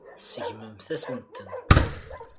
Tseggmemt-as-tent.